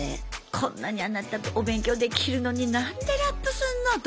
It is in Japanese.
こんなにあなたお勉強できるのに何でラップすんのと。